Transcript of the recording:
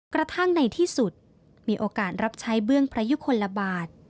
กระทั่งในที่สุดมีโอกาสรับใช้เบื้องพระยุคลบาท